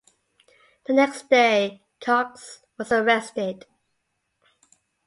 The next day Cox was arrested.